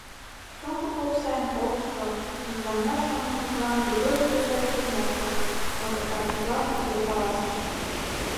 Шоҥго поп сайын колышто, мужыраҥаш шонымыжлан Григорий Петровичым моктыш, но пытартышлан тыге каласыш: